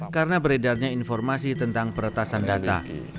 karena beredarnya informasi tentang peretasan data